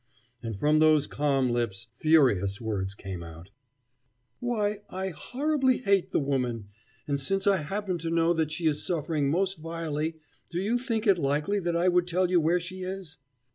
And from those calm lips furious words came out: "Why, I horribly hate the woman and since I happen to know that she is suffering most vilely, do you think it likely that I would tell you where she is?"